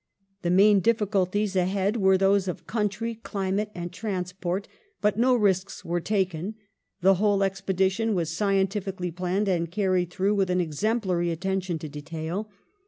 The main difficulties ahead were those of country, climate, and transport, but no risks were taken ; the whole expedi tion was scientifically planned and carried through with exemplary attention to detail.